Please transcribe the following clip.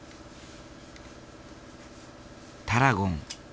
タラゴン。